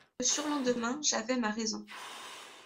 Le surlendemain, j'avais ma raison.